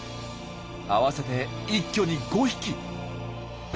合わせて一挙に５匹！